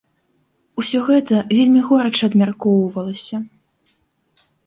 Усё гэта вельмі горача абмяркоўвалася.